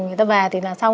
người ta về thì là xong